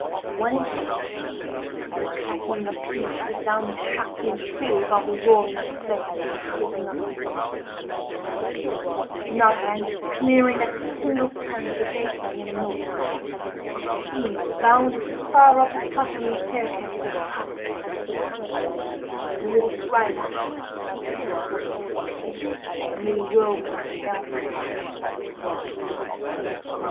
One instant, and the clattering of hoofs resounded sharply and shrilly above the roaring of the flames and the shrieking of the winds—another, and, clearing at a single plunge the gate way and the moat, the steed bounded far up the tottering staircases of the palace, and, with its rider, disappeared amid the whirlwind of chaotic fire.